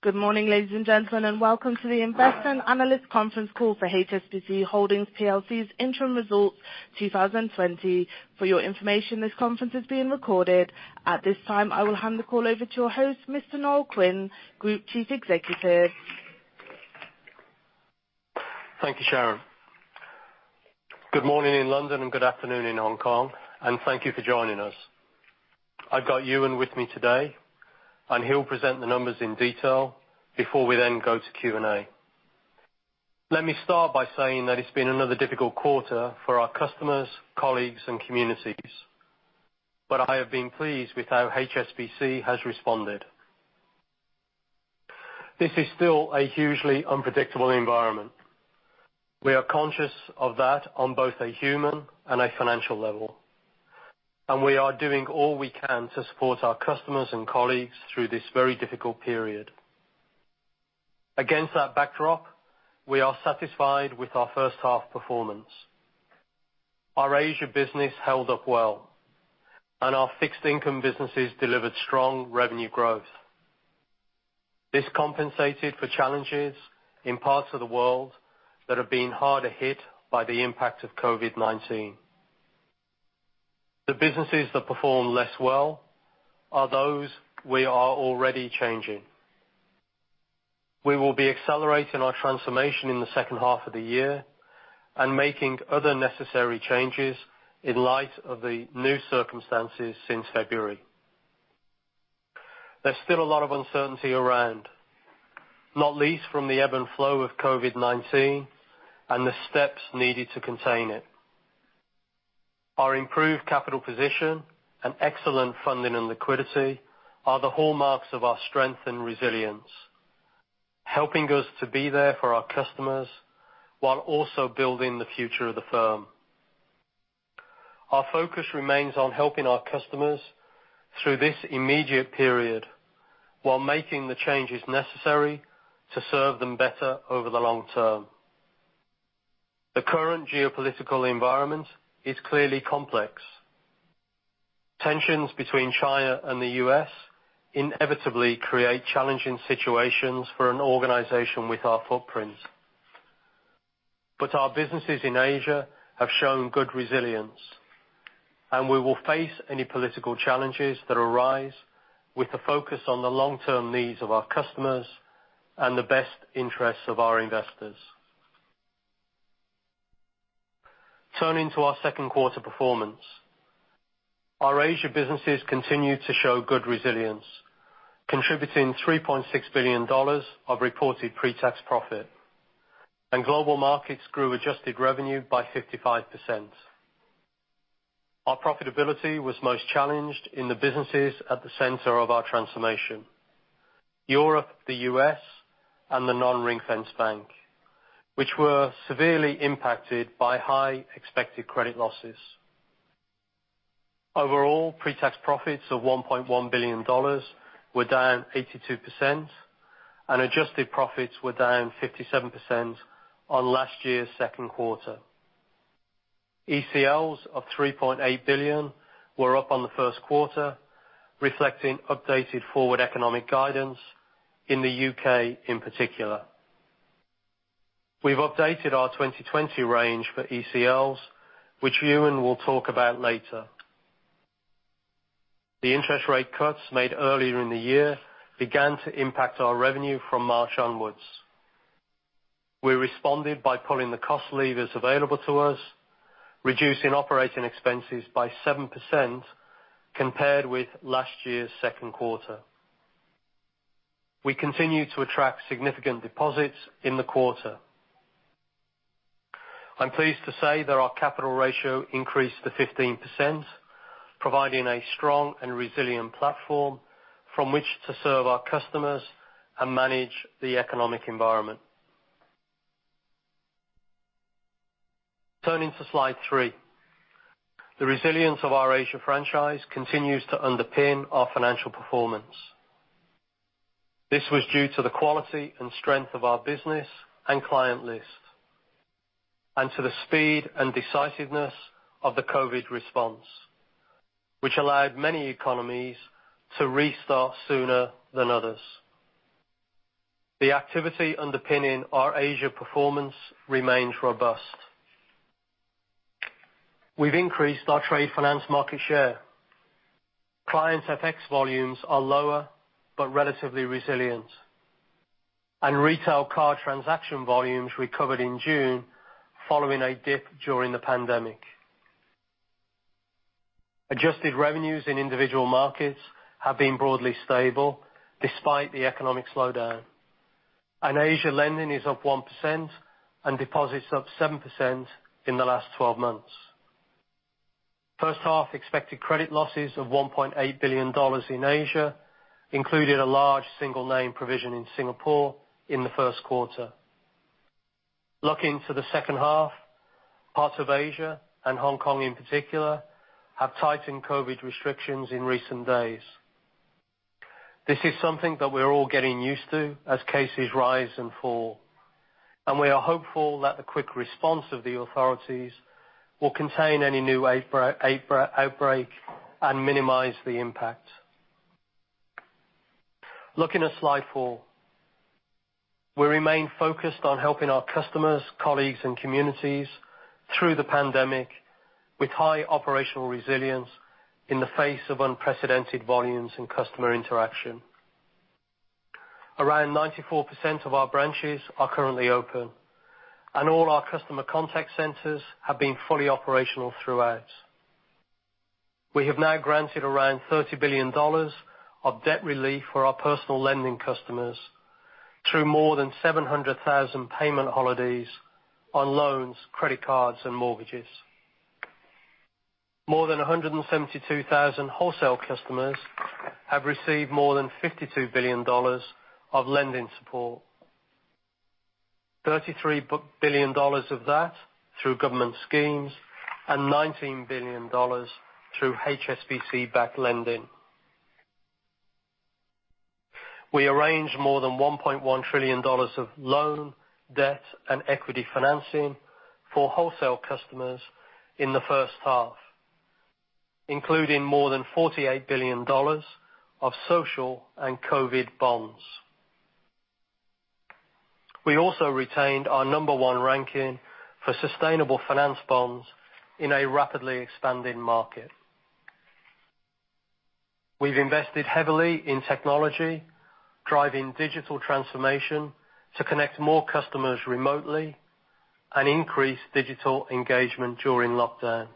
Good morning, ladies and gentlemen, and welcome to the Investor and Analyst conference call for HSBC Holdings PLC's interim results 2020. For your information, this conference is being recorded. At this time, I will hand the call over to your host, Mr. Noel Quinn, Group Chief Executive. Thank you, Sharon. Good morning in London, and good afternoon in Hong Kong, and thank you for joining us. I've got Ewen with me today, and he'll present the numbers in detail before we then go to Q&A. Let me start by saying that it's been another difficult quarter for our customers, colleagues, and communities, but I have been pleased with how HSBC has responded. This is still a hugely unpredictable environment. We are conscious of that on both a human and a financial level, and we are doing all we can to support our customers and colleagues through this very difficult period. Against that backdrop, we are satisfied with our first half performance. Our Asia business held up well, and our fixed income businesses delivered strong revenue growth. This compensated for challenges in parts of the world that have been harder hit by the impact of COVID-19. The businesses that perform less well are those we are already changing. We will be accelerating our transformation in the second half of the year and making other necessary changes in light of the new circumstances since February. There's still a lot of uncertainty around, not least from the ebb and flow of COVID-19 and the steps needed to contain it. Our improved capital position and excellent funding and liquidity are the hallmarks of our strength and resilience, helping us to be there for our customers while also building the future of the firm. Our focus remains on helping our customers through this immediate period while making the changes necessary to serve them better over the long term. The current geopolitical environment is clearly complex. Tensions between China and the U.S. inevitably create challenging situations for an organization with our footprint. Our businesses in Asia have shown good resilience, and we will face any political challenges that arise with a focus on the long-term needs of our customers and the best interests of our investors. Turning to our second quarter performance. Our Asia businesses continue to show good resilience, contributing $3.6 billion of reported pre-tax profit, and Global Markets grew adjusted revenue by 55%. Our profitability was most challenged in the businesses at the center of our transformation, Europe, the U.S., and the non-ring-fenced bank, which were severely impacted by high expected credit losses. Overall, pre-tax profits of $1.1 billion were down 82%, and adjusted profits were down 57% on last year's second quarter. ECLs of $3.8 billion were up on the first quarter, reflecting updated forward economic guidance in the U.K. in particular. We've updated our 2020 range for ECLs, which Ewen will talk about later. The interest rate cuts made earlier in the year began to impact our revenue from March onwards. We responded by pulling the cost levers available to us, reducing operating expenses by 7% compared with last year's second quarter. We continued to attract significant deposits in the quarter. I'm pleased to say that our capital ratio increased to 15%, providing a strong and resilient platform from which to serve our customers and manage the economic environment. Turning to slide three. The resilience of our Asia franchise continues to underpin our financial performance. This was due to the quality and strength of our business and client list and to the speed and decisiveness of the COVID response, which allowed many economies to restart sooner than others. The activity underpinning our Asia performance remains robust. We've increased our trade finance market share. Clients' FX volumes are lower but relatively resilient, and retail card transaction volumes recovered in June following a dip during the pandemic. Adjusted revenues in individual markets have been broadly stable despite the economic slowdown, and Asia lending is up 1% and deposits up 7% in the last 12 months. First half expected credit losses of $1.8 billion in Asia included a large single name provision in Singapore in the first quarter. Looking to the second half, parts of Asia, and Hong Kong in particular, have tightened COVID restrictions in recent days. This is something that we're all getting used to as cases rise and fall, and we are hopeful that the quick response of the authorities will contain any new outbreak and minimize the impact. Looking at slide four. We remain focused on helping our customers, colleagues, and communities through the pandemic, with high operational resilience in the face of unprecedented volumes and customer interaction. Around 94% of our branches are currently open, and all our customer contact centers have been fully operational throughout. We have now granted around $30 billion of debt relief for our personal lending customers through more than 700,000 payment holidays on loans, credit cards, and mortgages. More than 172,000 wholesale customers have received more than $52 billion of lending support. $33 billion of that through government schemes and $19 billion through HSBC-backed lending. We arranged more than $1.1 trillion of loan, debt, and equity financing for wholesale customers in the first half, including more than $48 billion of social and COVID bonds. We also retained our number one ranking for sustainable finance bonds in a rapidly expanding market. We've invested heavily in technology, driving digital transformation to connect more customers remotely and increase digital engagement during lockdown.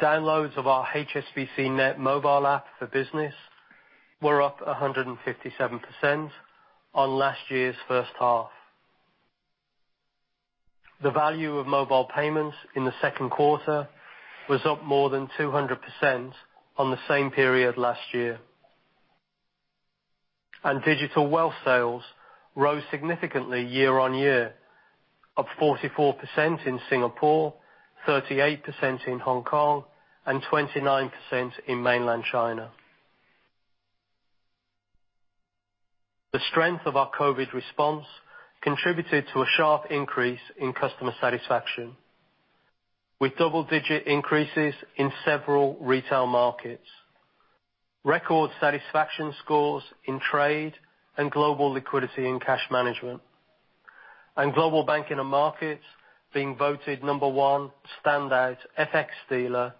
Downloads of our HSBCnet Mobile app for business were up 157% on last year's first half. The value of mobile payments in the second quarter was up more than 200% on the same period last year. Digital Wealth sales rose significantly year-on-year, up 44% in Singapore, 38% in Hong Kong, and 29% in mainland China. The strength of our COVID-19 response contributed to a sharp increase in customer satisfaction, with double-digit increases in several retail markets, record satisfaction scores in trade and Global Liquidity and Cash Management, and Global Banking and Markets being voted number one standout FX dealer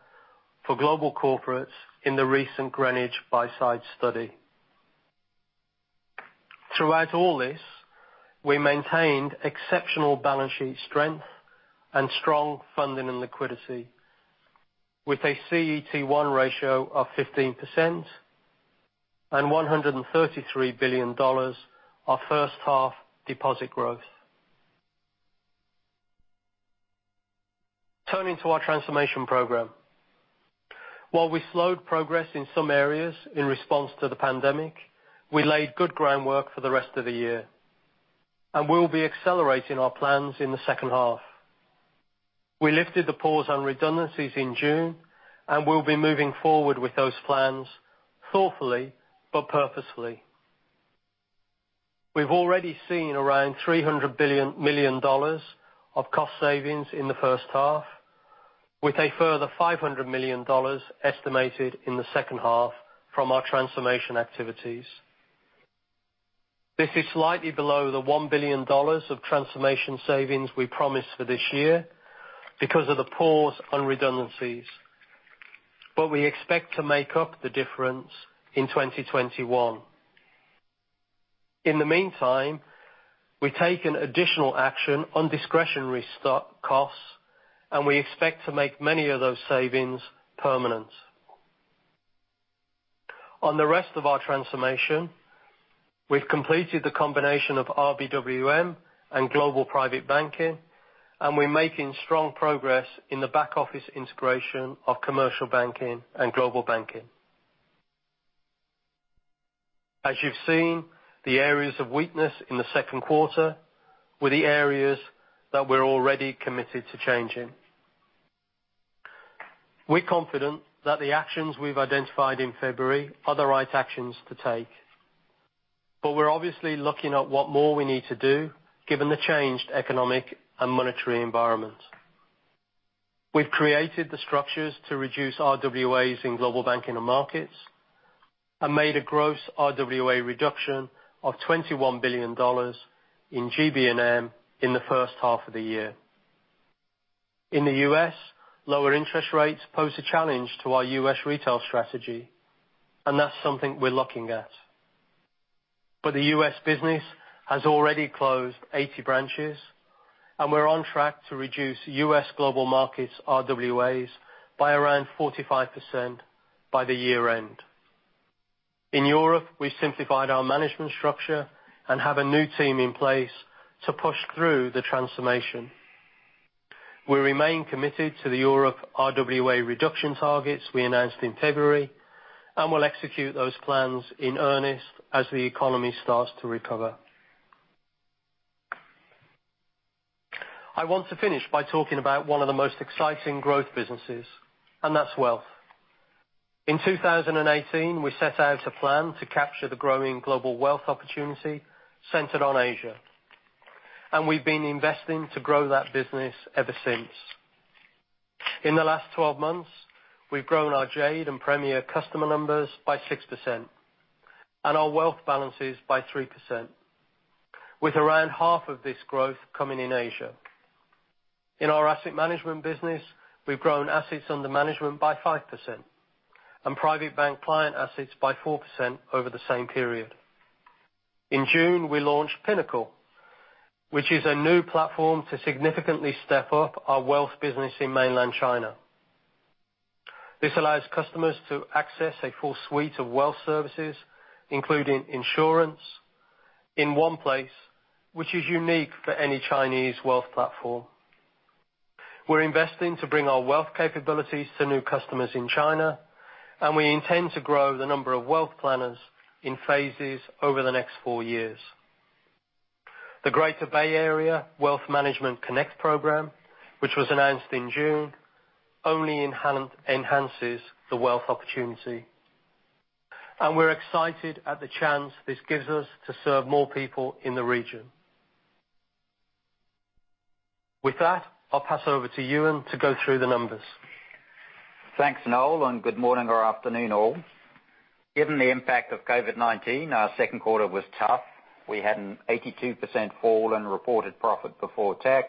for global corporates in the recent Coalition Greenwich Buy-Side study. Throughout all this, we maintained exceptional balance sheet strength and strong funding and liquidity, with a CET1 ratio of 15% and $133 billion of first-half deposit growth. Turning to our transformation program. While we slowed progress in some areas in response to the pandemic, we laid good groundwork for the rest of the year, and we'll be accelerating our plans in the second half. We lifted the pause on redundancies in June, and we'll be moving forward with those plans thoughtfully but purposefully. We've already seen around $300 million of cost savings in the first half, with a further $500 million estimated in the second half from our transformation activities. This is slightly below the $1 billion of transformation savings we promised for this year because of the pause on redundancies, but we expect to make up the difference in 2021. In the meantime, we've taken additional action on discretionary costs, and we expect to make many of those savings permanent. On the rest of our transformation, we've completed the combination of RBWM and Global Private Banking, and we're making strong progress in the back-office integration of Commercial Banking and Global Banking. As you've seen, the areas of weakness in the second quarter were the areas that we're already committed to changing. We're confident that the actions we've identified in February are the right actions to take, but we're obviously looking at what more we need to do given the changed economic and monetary environment. We've created the structures to reduce RWAs in Global Banking and Markets and made a gross RWA reduction of $21 billion in GB&M in the first half of the year. In the U.S., lower interest rates pose a challenge to our U.S. retail strategy, and that's something we're looking at. The U.S. business has already closed 80 branches, and we're on track to reduce U.S. Global Markets' RWAs by around 45% by the year-end. In Europe, we've simplified our management structure and have a new team in place to push through the transformation. We remain committed to the Europe RWA reduction targets we announced in February, and we'll execute those plans in earnest as the economy starts to recover. I want to finish by talking about one of the most exciting growth businesses, and that's Wealth. In 2018, we set out a plan to capture the growing Global Wealth opportunity centered on Asia, and we've been investing to grow that business ever since. In the last 12 months, we've grown our Jade and Premier customer numbers by 6% and our Wealth balances by 3%, with around half of this growth coming in Asia. In our asset management business, we've grown assets under management by 5% and private bank client assets by 4% over the same period. In June, we launched Pinnacle, which is a new platform to significantly step up our Wealth business in mainland China. This allows customers to access a full suite of Wealth services, including insurance, in one place, which is unique for any Chinese Wealth platform. We're investing to bring our Wealth capabilities to new customers in China, and we intend to grow the number of Wealth planners in phases over the next four years. The Greater Bay Area Wealth Management Connect Program, which was announced in June, only enhances the Wealth opportunity. We're excited at the chance this gives us to serve more people in the region. With that, I'll pass over to Ewen to go through the numbers. Thanks, Noel, and good morning or afternoon all. Given the impact of COVID-19, our second quarter was tough. We had an 82% fall in reported profit before tax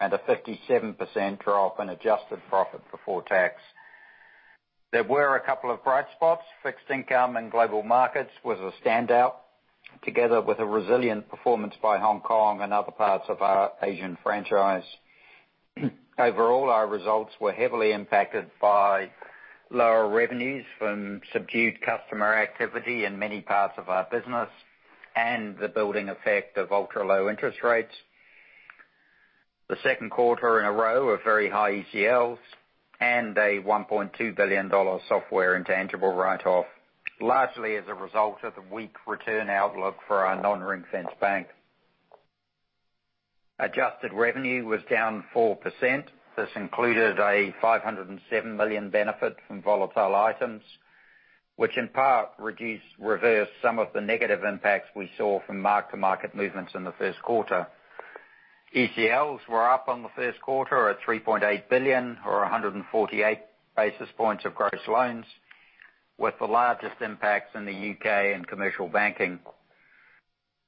and a 57% drop in adjusted profit before tax. There were a couple of bright spots. Fixed income and Global Markets was a standout, together with a resilient performance by Hong Kong and other parts of our Asian franchise. Overall, our results were heavily impacted by lower revenues from subdued customer activity in many parts of our business and the building effect of ultra-low interest rates. The second quarter in a row of very high ECLs and a $1.2 billion software intangible write-off, largely as a result of the weak return outlook for our non-ring-fenced bank. Adjusted revenue was down 4%. This included a $507 million benefit from volatile items, which in part reversed some of the negative impacts we saw from mark-to-market movements in the first quarter. ECLs were up on the first quarter at $3.8 billion or 148 basis points of gross loans, with the largest impacts in the U.K. and Commercial Banking.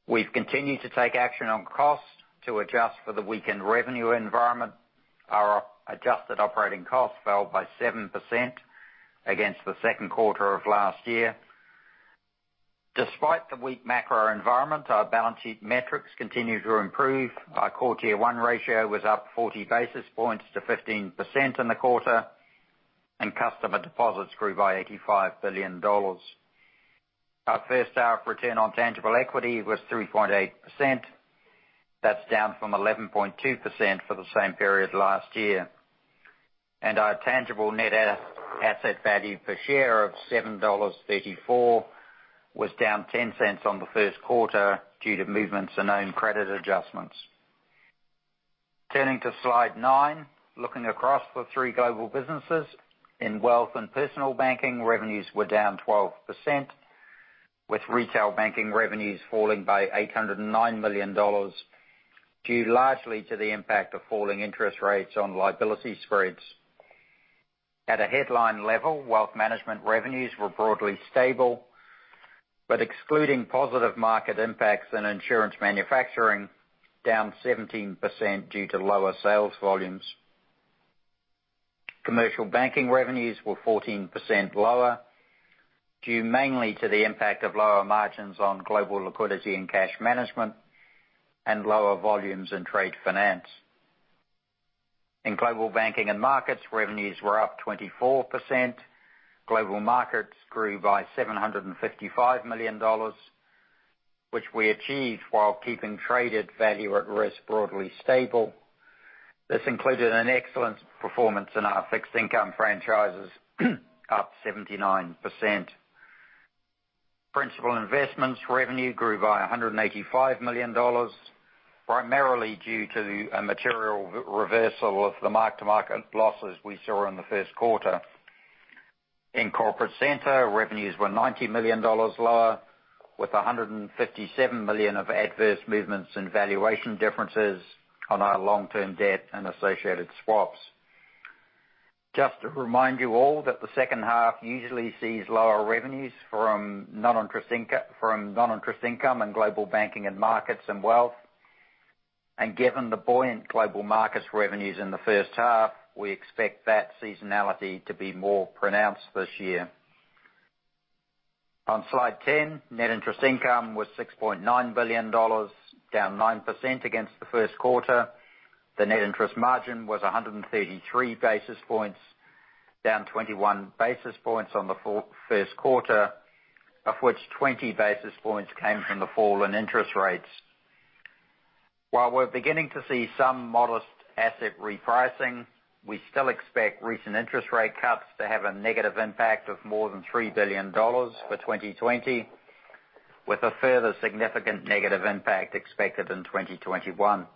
We've continued to take action on costs to adjust for the weakened revenue environment. Our adjusted operating costs fell by 7% against the second quarter of last year. Despite the weak macro environment, our balance sheet metrics continue to improve. Our Core Tier 1 ratio was up 40 basis points to 15% in the quarter, and customer deposits grew by $85 billion. Our first half return on tangible equity was 3.8%. That's down from 11.2% for the same period last year. Our tangible net asset value per share of $7.34 was down $0.10 on the first quarter due to movements and known credit adjustments. Turning to slide nine, looking across the three global businesses. In Wealth and Personal Banking, revenues were down 12%, with retail banking revenues falling by $809 million, due largely to the impact of falling interest rates on liability spreads. At a headline level, Wealth Management revenues were broadly stable, but excluding positive market impacts and insurance manufacturing, down 17% due to lower sales volumes. Commercial Banking revenues were 14% lower, due mainly to the impact of lower margins on Global Liquidity and Cash Management and lower volumes in trade finance. In Global Banking and Markets, revenues were up 24%. Global Markets grew by $755 million, which we achieved while keeping traded value at risk broadly stable. This included an excellent performance in our fixed income franchises up 79%. Principal investments revenue grew by $185 million, primarily due to a material reversal of the mark-to-market losses we saw in the first quarter. In Corporate Centre, revenues were $90 million lower, with $157 million of adverse movements and valuation differences on our long-term debt and associated swaps. Just to remind you all that the second half usually sees lower revenues from non-interest income in Global Banking and Markets and Wealth. Given the buoyant Global Markets revenues in the first half, we expect that seasonality to be more pronounced this year. On slide 10, net interest income was $6.9 billion, down 9% against the first quarter. The net interest margin was 133 basis points, down 21 basis points on the first quarter, of which 20 basis points came from the fall in interest rates. While we're beginning to see some modest asset repricing, we still expect recent interest rate cuts to have a negative impact of more than $3 billion for 2020. With a further significant negative impact expected in 2021.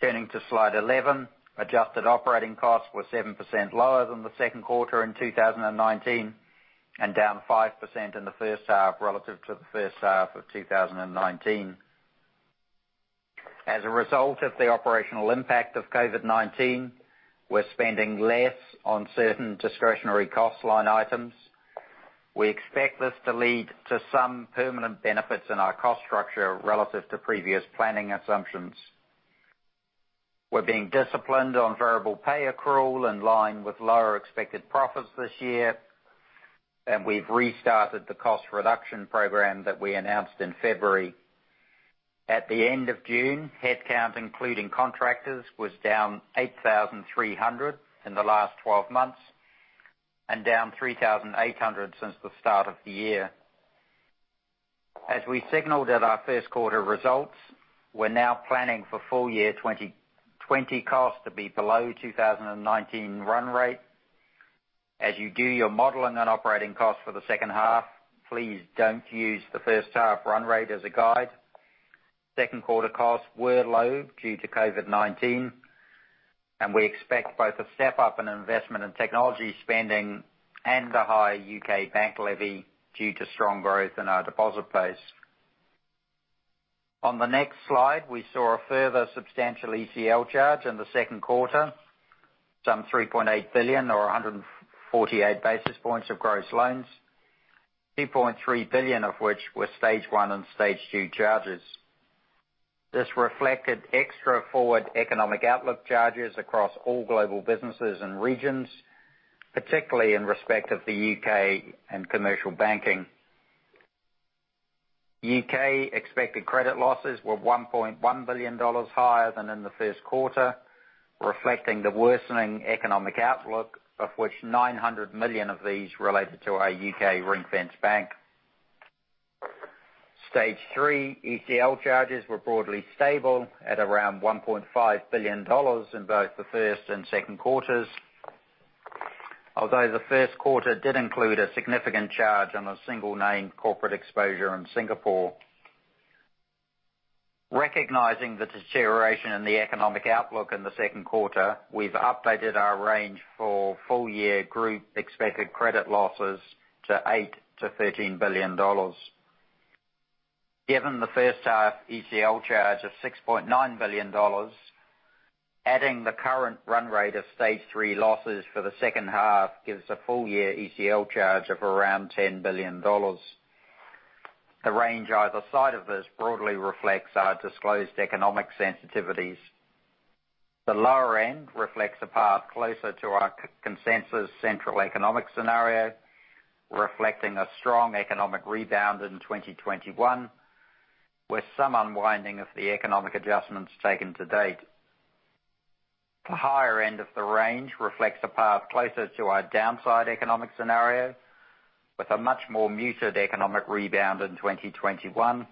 Turning to slide 11, adjusted operating costs were 7% lower than the second quarter in 2019, and down 5% in the first half relative to the first half of 2019. As a result of the operational impact of COVID-19, we're spending less on certain discretionary cost line items. We expect this to lead to some permanent benefits in our cost structure relative to previous planning assumptions. We're being disciplined on variable pay accrual in line with lower expected profits this year, and we've restarted the cost reduction program that we announced in February. At the end of June, headcount, including contractors, was down 8,300 in the last 12 months and down 3,800 since the start of the year. As we signaled at our first quarter results, we're now planning for full year 2020 costs to be below 2019 run rate. As you do your modeling on operating costs for the second half, please don't use the first half run rate as a guide. Second quarter costs were low due to COVID-19, and we expect both a step up in investment and technology spending and a high U.K. bank levy due to strong growth in our deposit base. On the next slide, we saw a further substantial ECL charge in the second quarter, some $3.8 billion or 148 basis points of gross loans, $2.3 billion of which were stage 1 and stage 2 charges. This reflected extra forward economic outlook charges across all global businesses and regions, particularly in respect of the U.K. and Commercial Banking. U.K. expected credit losses were $1.1 billion higher than in the first quarter, reflecting the worsening economic outlook, of which $900 million of these related to our U.K. ring-fenced bank. stage 3 ECL charges were broadly stable at around $1.5 billion in both the first and second quarters. The first quarter did include a significant charge on a single name corporate exposure in Singapore. Recognizing the deterioration in the economic outlook in the second quarter, we've updated our range for full-year group expected credit losses to $8 billion-$13 billion. Given the first-half ECL charge of $6.9 billion, adding the current run rate of stage 3 losses for the second-half gives a full-year ECL charge of around $10 billion. The range either side of this broadly reflects our disclosed economic sensitivities. The lower end reflects a path closer to our consensus central economic scenario, reflecting a strong economic rebound in 2021, with some unwinding of the economic adjustments taken to date. The higher end of the range reflects a path closer to our downside economic scenario, with a much more muted economic rebound in 2021,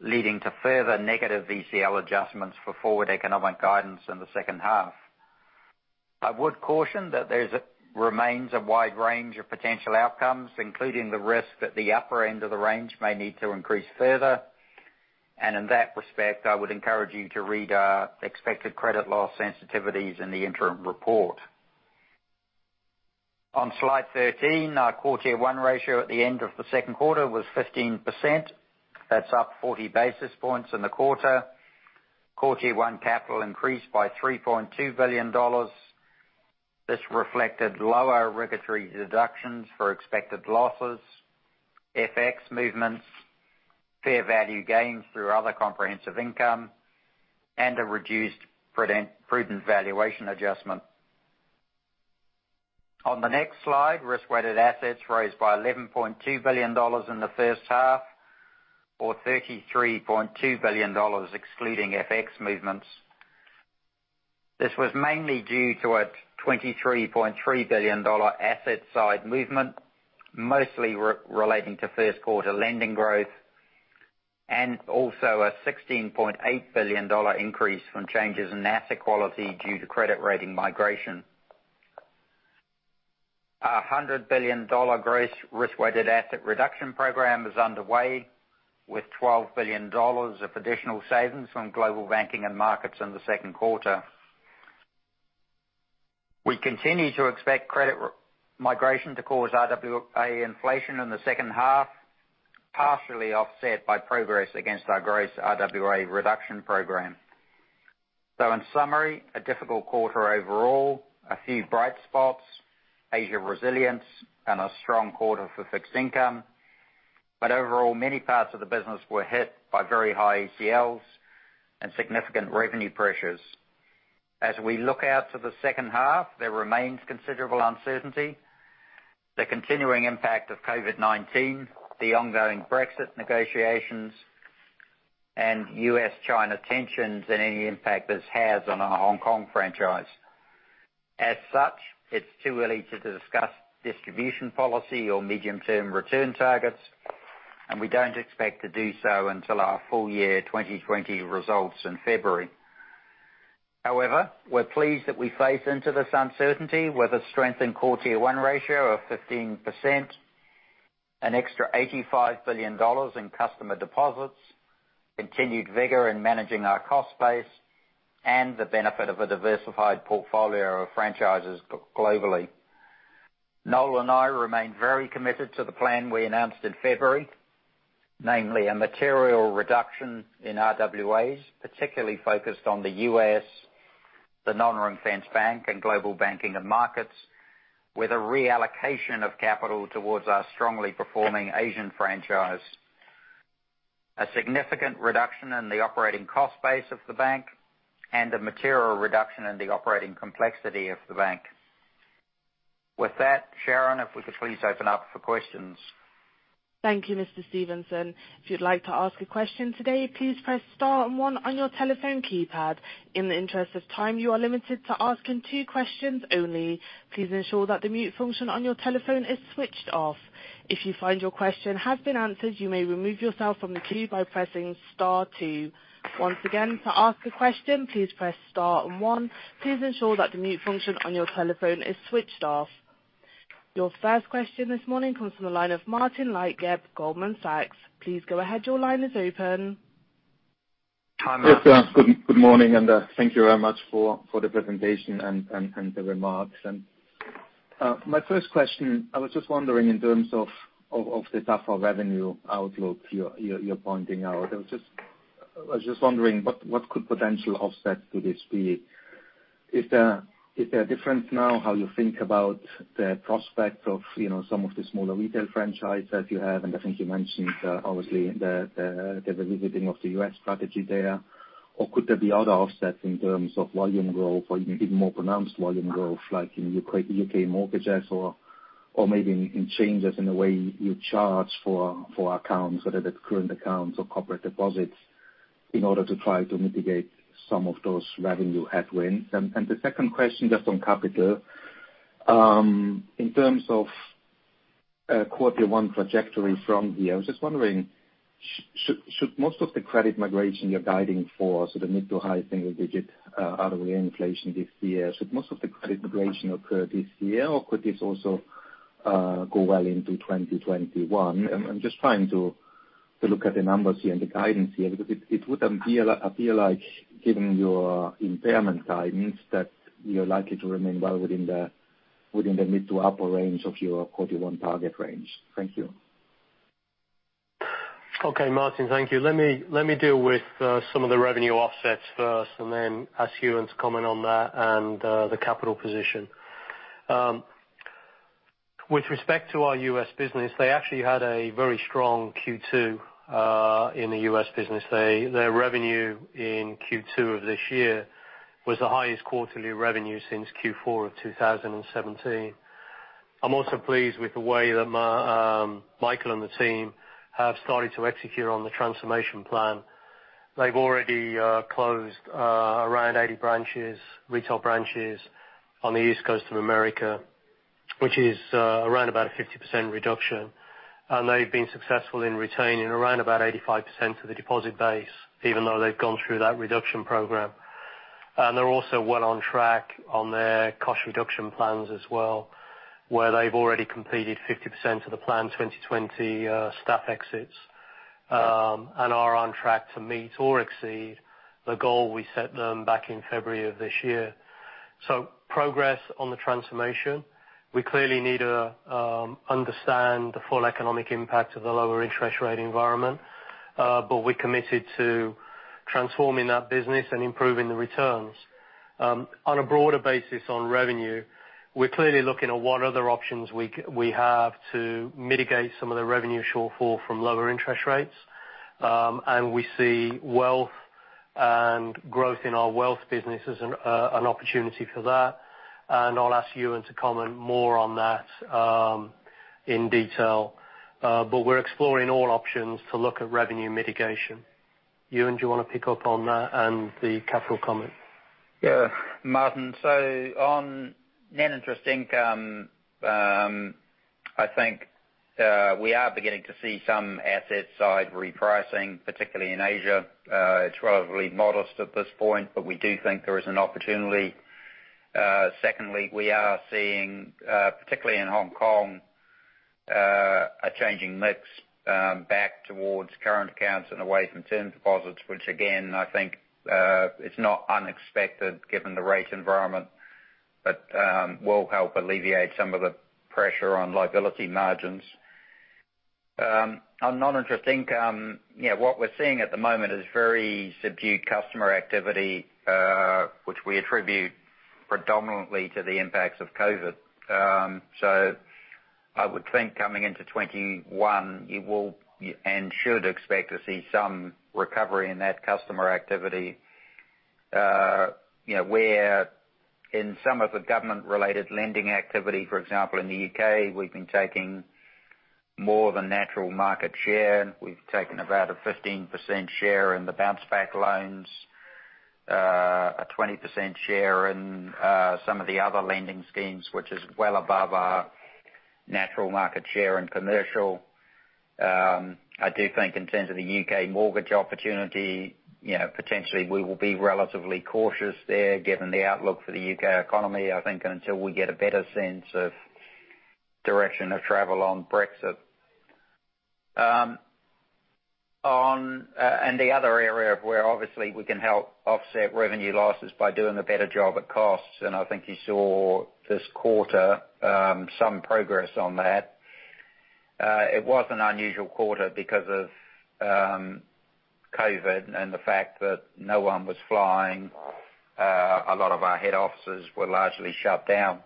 leading to further negative ECL adjustments for forward economic guidance in the second half. I would caution that there remains a wide range of potential outcomes, including the risk that the upper end of the range may need to increase further. In that respect, I would encourage you to read our expected credit loss sensitivities in the interim report. On slide 13, our Core Tier 1 ratio at the end of the second quarter was 15%. That's up 40 basis points in the quarter. Core Tier 1 capital increased by $3.2 billion. This reflected lower regulatory deductions for expected losses, FX movements, fair value gains through other comprehensive income, and a reduced prudent valuation adjustment. On the next slide, risk-weighted assets rose by $11.2 billion in the first half, or $33.2 billion excluding FX movements. This was mainly due to a $23.3 billion asset side movement, mostly relating to first quarter lending growth, and also a $16.8 billion increase from changes in asset quality due to credit rating migration. Our $100 billion gross risk-weighted asset reduction program is underway with $12 billion of additional savings from Global Banking and Markets in the second quarter. We continue to expect credit migration to cause RWA inflation in the second half, partially offset by progress against our gross RWA reduction program. In summary, a difficult quarter overall. A few bright spots, Asia resilience, and a strong quarter for fixed income. Overall, many parts of the business were hit by very high ECLs and significant revenue pressures. As we look out to the second half, there remains considerable uncertainty. The continuing impact of COVID-19, the ongoing Brexit negotiations, and U.S.-China tensions and any impact this has on our Hong Kong franchise. As such, it's too early to discuss distribution policy or medium-term return targets, and we don't expect to do so until our full year 2020 results in February. However, we're pleased that we face into this uncertainty with a strengthened Core Tier 1 ratio of 15%, an extra $85 billion in customer deposits, continued vigor in managing our cost base, and the benefit of a diversified portfolio of franchises globally. Noel and I remain very committed to the plan we announced in February, namely a material reduction in RWAs, particularly focused on the U.S., the non-ring-fenced bank, and Global Banking and Markets, with a reallocation of capital towards our strongly performing Asian franchise. A significant reduction in the operating cost base of the bank, a material reduction in the operating complexity of the bank. With that, Sharon, if we could please open up for questions. Thank you, Mr. Stevenson. If you'd like to ask a question today, please press star and one on your telephone keypad. In the interest of time, you are limited to asking two questions only. Please ensure that the mute function on your telephone is switched off. If you find your question has been answered, you may remove yourself from the queue by pressing star two. Once again, to ask a question, please press star and one. Please ensure that the mute function on your telephone is switched off. Your first question this morning comes from the line of Martin Leitgeb, Goldman Sachs. Please go ahead. Your line is open. Hi, Martin. Good morning. Thank you very much for the presentation and the remarks. My first question, I was just wondering in terms of the tougher revenue outlook you're pointing out. I was just wondering what could potential offset to this be? Is there a difference now how you think about the prospect of some of the smaller retail franchises you have? I think you mentioned, obviously, the revisiting of the U.S. strategy there. Could there be other offsets in terms of volume growth or even more pronounced volume growth, like in U.K. mortgages or maybe in changes in the way you charge for accounts, whether that's current accounts or corporate deposits, in order to try to mitigate some of those revenue headwinds? The second question, just on capital. In terms of Core Tier 1 trajectory from here, I was just wondering, should most of the credit migration you're guiding for, so the mid to high single digit RWA inflation this year, should most of the credit migration occur this year, or could this also go well into 2021? I'm just trying to look at the numbers here and the guidance here, because it would appear like given your impairment guidance, that you're likely to remain well within the mid to upper range of your Core Tier 1 target range. Thank you. Martin. Thank you. Let me deal with some of the revenue offsets first and then ask Ewen to comment on that and the capital position. With respect to our U.S. business, they actually had a very strong Q2 in the U.S. business. Their revenue in Q2 of this year was the highest quarterly revenue since Q4 of 2017. I'm also pleased with the way that Michael and the team have started to execute on the transformation plan. They've already closed around 80 retail branches on the East Coast of America, which is around about a 50% reduction. They've been successful in retaining around about 85% of the deposit base, even though they've gone through that reduction program. They're also well on track on their cost reduction plans as well, where they've already completed 50% of the plan 2020 staff exits, and are on track to meet or exceed the goal we set them back in February of this year. Progress on the transformation. We clearly need to understand the full economic impact of the lower interest rate environment. We're committed to transforming that business and improving the returns. On a broader basis on revenue, we're clearly looking at what other options we have to mitigate some of the revenue shortfall from lower interest rates. We see wealth and growth in our Wealth business as an opportunity for that. I'll ask Ewen to comment more on that in detail. We're exploring all options to look at revenue mitigation. Ewen, do you want to pick up on that and the capital comment? Yeah. Martin, on net interest income, I think we are beginning to see some asset side repricing, particularly in Asia. It's relatively modest at this point, we do think there is an opportunity. Secondly, we are seeing, particularly in Hong Kong, a changing mix back towards current accounts and away from term deposits, which again, I think it's not unexpected given the rate environment. Will help alleviate some of the pressure on liability margins. On non-interest income, what we're seeing at the moment is very subdued customer activity, which we attribute predominantly to the impacts of COVID. I would think coming into 2021, you will and should expect to see some recovery in that customer activity. Where in some of the government related lending activity, for example, in the U.K., we've been taking more of a natural market share. We've taken about a 15% share in the Bounce Back Loans, a 20% share in some of the other lending schemes, which is well above our natural market share in commercial. I do think in terms of the U.K. mortgage opportunity, potentially we will be relatively cautious there given the outlook for the U.K. economy, I think until we get a better sense of direction of travel on Brexit. The other area where obviously we can help offset revenue losses by doing a better job at costs, and I think you saw this quarter, some progress on that. It was an unusual quarter because of COVID and the fact that no one was flying. A lot of our head offices were largely shut down.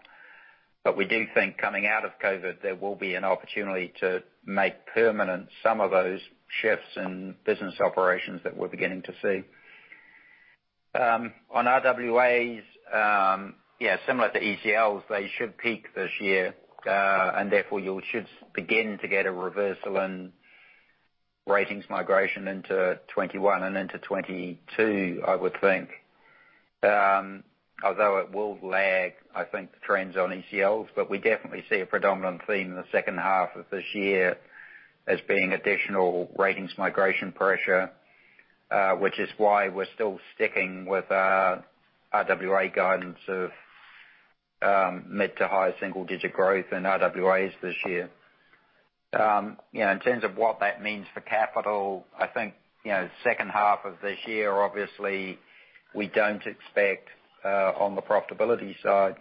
We do think coming out of COVID, there will be an opportunity to make permanent some of those shifts in business operations that we're beginning to see. On RWAs, similar to ECLs, they should peak this year, and therefore you should begin to get a reversal in ratings migration into 2021 and into 2022, I would think. Although it will lag, I think the trends on ECLs. We definitely see a predominant theme in the second half of this year as being additional ratings migration pressure, which is why we're still sticking with our RWA guidance of mid to high single-digit growth in RWAs this year. In terms of what that means for capital, I think, second half of this year, obviously we don't expect, on the profitability side,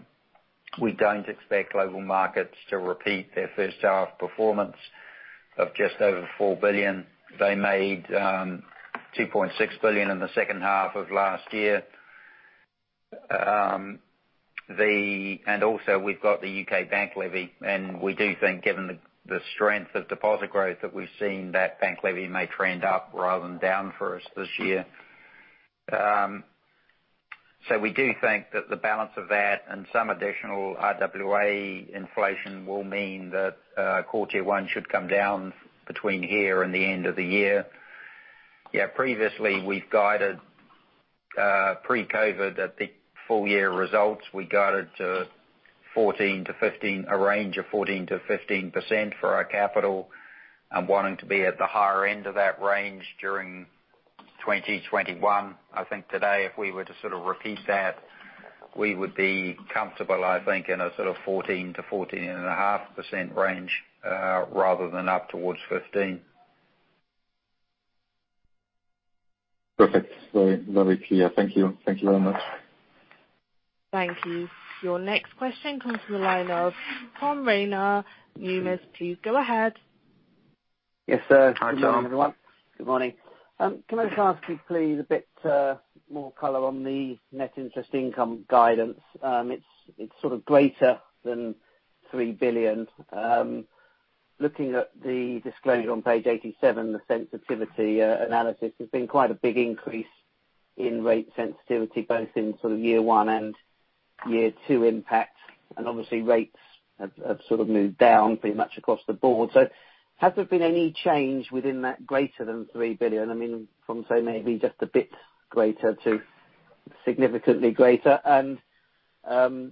we don't expect Global Markets to repeat their first half performance of just over $4 billion. They made $2.6 billion in the second half of last year. Also, we've got the U.K. bank levy. We do think given the strength of deposit growth that we've seen, that bank levy may trend up rather than down for us this year. We do think that the balance of that and some additional RWA inflation will mean that Core Tier 1 should come down between here and the end of the year. Previously, we've guided pre-COVID at the full year results. We guided to a range of 14%-15% for our capital and wanting to be at the higher end of that range during 2021. I think today, if we were to sort of repeat that, we would be comfortable, I think, in a sort of 14%-14.5% range, rather than up towards 15%. Perfect. Very lovely, clear. Thank you. Thank you very much. Thank you. Your next question comes from the line of Tom Rayner, Numis. Please go ahead. Yes, sir. Hi, Tom. Good morning, everyone. Good morning. Can I just ask you, please, a bit more color on the net interest income guidance? It's sort of greater than 3 billion. Looking at the disclosure on page 87, the sensitivity analysis has been quite a big increase in rate sensitivity, both in year one and year two impact, and obviously rates have sort of moved down pretty much across the board. Has there been any change within that greater than 3 billion? I mean, from, say maybe just a bit greater to significantly greater.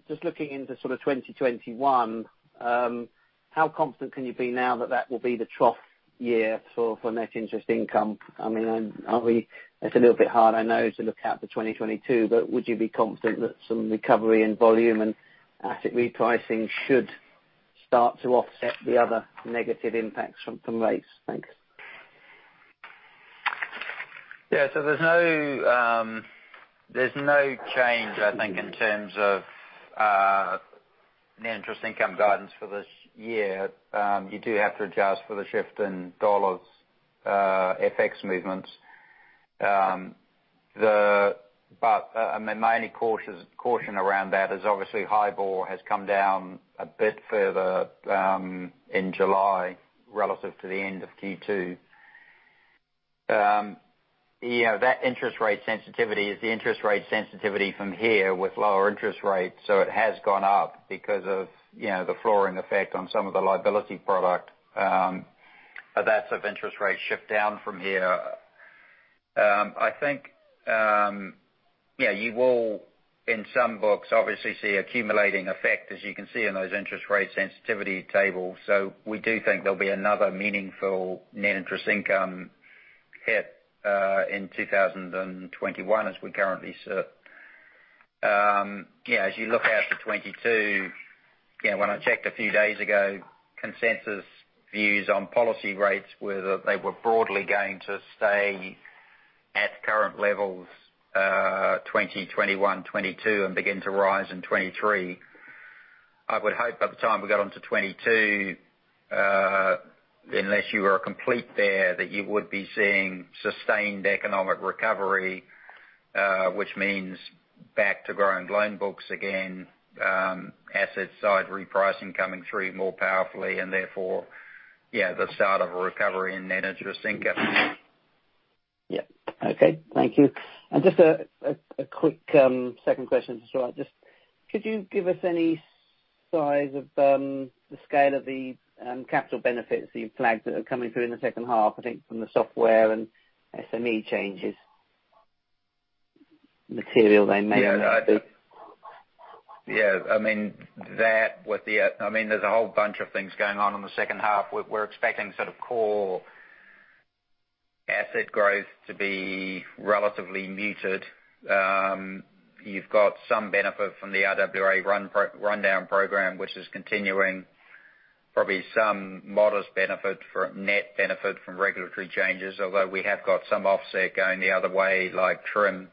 Just looking into sort of 2021, how confident can you be now that that will be the trough year for net interest income? It's a little bit hard, I know, to look out to 2022. Would you be confident that some recovery in volume and asset repricing should start to offset the other negative impacts from rates? Thanks. Yeah. There's no change, I think, in terms of net interest income guidance for this year. You do have to adjust for the shift in USD FX movements. My only caution around that is obviously HIBOR has come down a bit further in July relative to the end of Q2. That interest rate sensitivity is the interest rate sensitivity from here with lower interest rates. It has gone up because of the flooring effect on some of the liability product. That's if interest rates shift down from here. I think, you will, in some books, obviously see accumulating effect as you can see in those interest rate sensitivity tables. We do think there'll be another meaningful net interest income hit in 2021 as we currently sit. As you look out to 2022, when I checked a few days ago, consensus views on policy rates were that they were broadly going to stay at current levels, 2021, 2022, and begin to rise in 2023. I would hope by the time we got onto 2022, unless you were complete there, that you would be seeing sustained economic recovery. Which means back to growing loan books again, asset side repricing coming through more powerfully, and therefore, the start of a recovery in net interest income. Yeah. Okay. Thank you. Just a quick second question to start. Could you give us any size of the scale of the capital benefits that you've flagged that are coming through in the second half, I think from the software and SME changes? Material they made. Yeah. There's a whole bunch of things going on in the second half. We're expecting core asset growth to be relatively muted. You've got some benefit from the RWA rundown program, which is continuing. Probably some modest net benefit from regulatory changes, although we have got some offset going the other way, like TRIM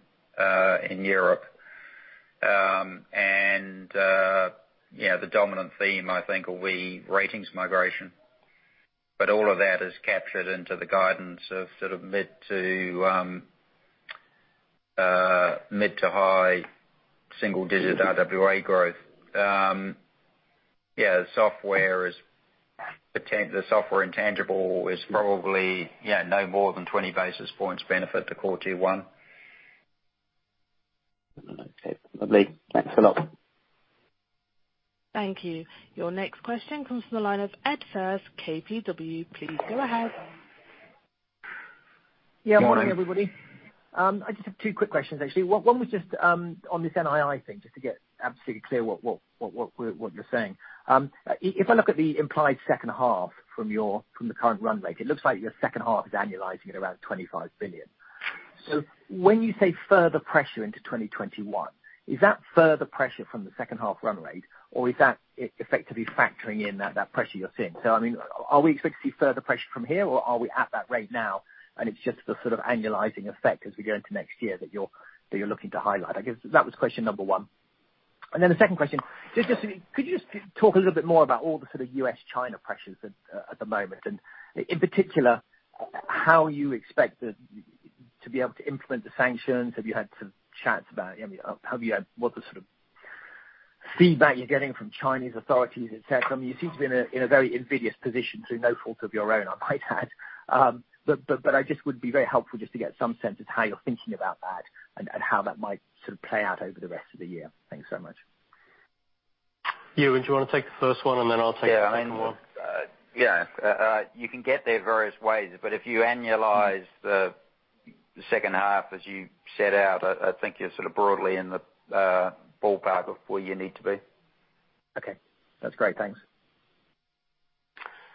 in Europe. The dominant theme, I think, will be ratings migration. All of that is captured into the guidance of mid to high single-digit RWA growth. The software intangible is probably no more than 20 basis points benefit to core Q1. Okay. Lovely. Thanks a lot. Thank you. Your next question comes from the line of Ed Firth, KBW. Please go ahead. Yeah. Good morning. Morning, everybody. I just have two quick questions, actually. One was just on this NII thing, just to get absolutely clear what you're saying. If I look at the implied second half from the current run rate, it looks like your second half is annualizing at around $25 billion. When you say further pressure into 2021, is that further pressure from the second half run rate, or is that effectively factoring in that pressure you're seeing? Are we expecting to see further pressure from here, or are we at that rate now and it's just the annualizing effect as we go into next year that you're looking to highlight? I guess that was question number one. The second question, could you just talk a little bit more about all the U.S.-China pressures at the moment, and in particular, how you expect to be able to implement the sanctions? Have you had some chats about it? What's the sort of feedback you're getting from Chinese authorities, et cetera? You seem to be in a very invidious position through no fault of your own, I might add. But it just would be very helpful just to get some sense of how you're thinking about that and how that might play out over the rest of the year. Thanks so much. Ewen, do you want to take the first one, and then I'll take the second one? Yeah. You can get there various ways, if you annualize the second half as you set out, I think you're broadly in the ballpark of where you need to be. Okay. That's great. Thanks.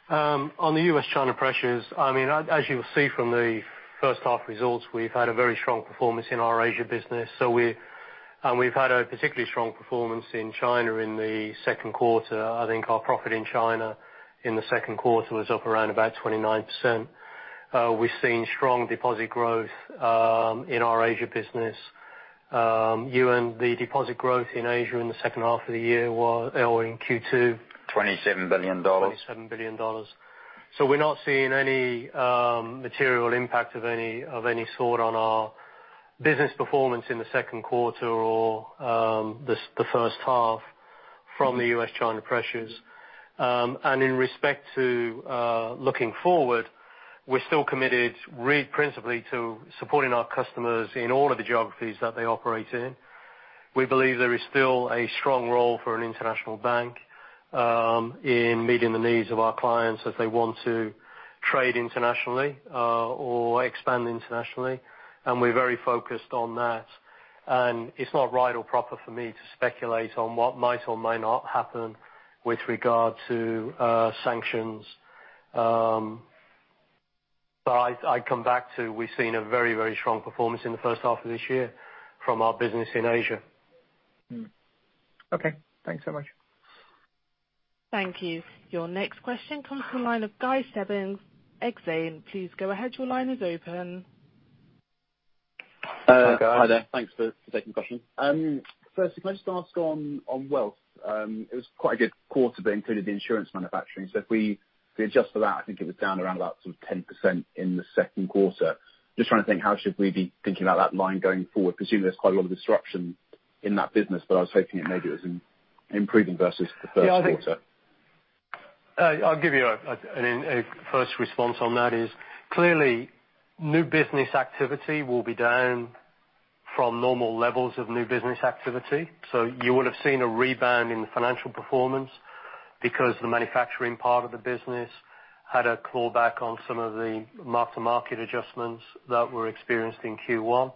On the U.S.-China pressures, as you will see from the first half results, we've had a very strong performance in our Asia business. We've had a particularly strong performance in China in the second quarter. I think our profit in China in the second quarter was up around about 29%. We're seeing strong deposit growth in our Asia business. Ewen, the deposit growth in Asia in the second half of the year or in Q2? $27 billion. $27 billion. We're not seeing any material impact of any sort on our business performance in the second quarter or the first half from the U.S.-China pressures. In respect to looking forward, we're still committed principally to supporting our customers in all of the geographies that they operate in. We believe there is still a strong role for an international bank in meeting the needs of our clients if they want to trade internationally or expand internationally. We're very focused on that. It's not right or proper for me to speculate on what might or might not happen with regard to sanctions. I'd come back to, we've seen a very, very strong performance in the first half of this year from our business in Asia. Okay. Thanks so much. Thank you. Your next question comes from the line of Guy Stebbings, Exane. Please go ahead. Your line is open. Hi, Guy. Hi there. Thanks for taking the question. Can I just ask on Wealth. It was quite a good quarter, it included the insurance manufacturing. If we adjust for that, I think it was down around about 10% in the second quarter. Just trying to think, how should we be thinking about that line going forward? I presume there's quite a lot of disruption in that business, I was hoping it maybe was improving versus the first quarter. I think I'll give you a first response on that is, clearly, new business activity will be down from normal levels of new business activity. You would have seen a rebound in the financial performance because the manufacturing part of the business had a clawback on some of the mark-to-market adjustments that were experienced in Q1.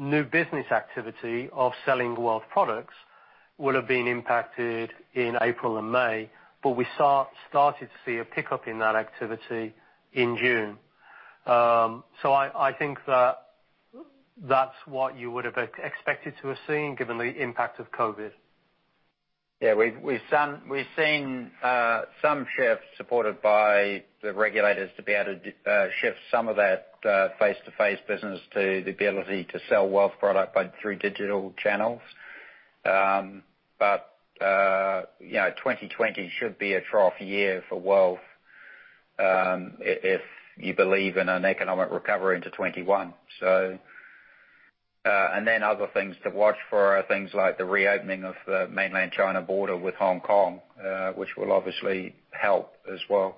New business activity of selling Wealth products would have been impacted in April and May. We started to see a pickup in that activity in June. I think that that's what you would have expected to have seen given the impact of COVID-19. Yeah. We've seen some shifts supported by the regulators to be able to shift some of that face-to-face business to the ability to sell Wealth product through digital channels. 2020 should be a trough year for Wealth, if you believe in an economic recovery into 2021. Other things to watch for are things like the reopening of the Mainland China border with Hong Kong, which will obviously help as well.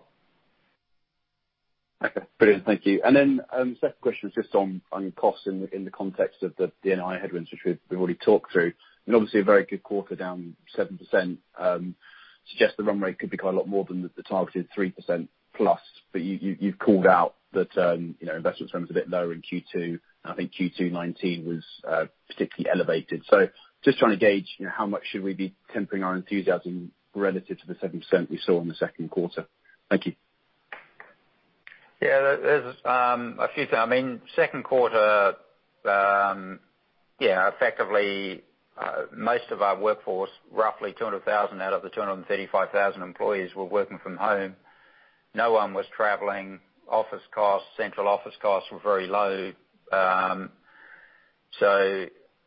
Okay. Brilliant. Thank you. The second question is just on costs in the context of the NII headwinds, which we've already talked through. Obviously a very good quarter, down 7%. Suggest the run rate could be quite a lot more than the targeted 3%+. You've called out that investment spend was a bit lower in Q2, and I think Q2 2019 was particularly elevated. Just trying to gauge how much should we be tempering our enthusiasm relative to the 7% we saw in the second quarter. Thank you. Second quarter, effectively, most of our workforce, roughly 200,000 out of the 235,000 employees were working from home. No one was traveling. Office costs, central office costs were very low.